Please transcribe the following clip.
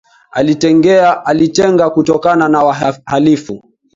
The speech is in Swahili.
Alitenga kutokana na wahalifu